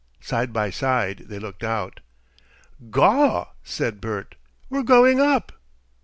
Side by side they looked out. "Gaw!" said Bert. "We're going up!"